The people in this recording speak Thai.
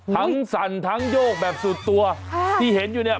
สั่นทั้งโยกแบบสุดตัวที่เห็นอยู่เนี่ย